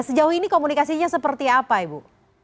sejauh ini komunikasinya seperti apa ibu